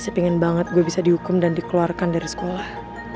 saya ingin banget gue bisa dihukum dan dikeluarkan dari sekolah